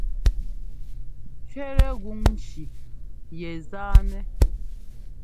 Cʉɛtɛ́ gún ŋci yɛ zánɛ́.